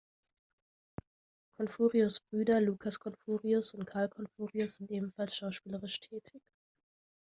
Confurius’ Brüder Lucas Confurius und Carl Confurius sind ebenfalls schauspielerisch tätig.